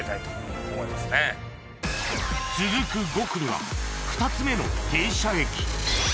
続く５区には２つ目の停車駅